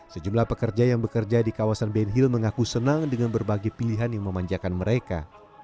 sejumlah pekerja yang bekerja di kawasan benhil mengaku senang dengan berbagai pilihan yang memanjakan mereka